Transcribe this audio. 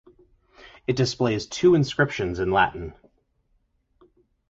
It displays two inscriptions in Latin.